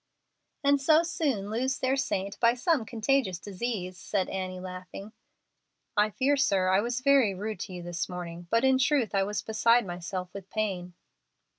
"And so soon lose their saint by some contagious disease," said Annie, laughing. "I fear, sir, I was very rude to you this morning, but in truth I was beside myself with pain."